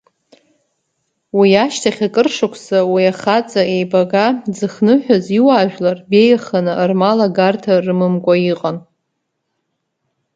Уи ашьҭахь акыршықәса уи ахаҵа еибага дзыхныҳәаз иуаажәлар беиаханы, рмал агарҭа рымамкәа иҟан.